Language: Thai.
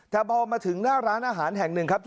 แต่พอมาถึงหน้าร้านอาหารแห่งหนึ่งครับ